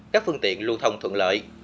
các phương tiện lưu thông thuận lợi